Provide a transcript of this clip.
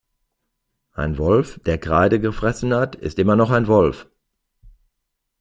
Ein Wolf, der Kreide gefressen hat, ist immer noch ein Wolf.